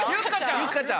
ゆっかちゃん！